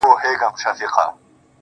د نوم له سيـتاره دى لـوېـدلى,